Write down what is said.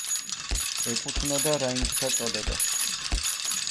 ეკუთვნოდა რაინდთა წოდებას.